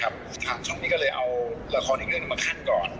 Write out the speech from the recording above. ช่วงนี้ก็เลยเอาละครอีกเรื่องนี้มาขั้นก่อน